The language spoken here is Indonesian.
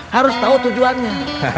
harus tahu tujuannya